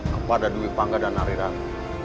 kepada dwi pangga dan narirang